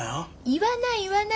言わない言わない。